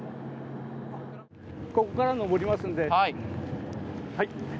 ここから上りますので。